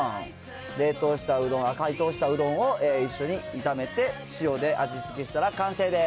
冷凍したうどん、あっ、解凍したうどんを一緒に炒めて、塩で味付けしたら完成です。